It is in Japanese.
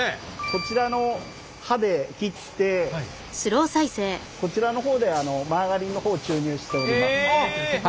こちらの刃で切ってこちらの方でマーガリンの方注入しております。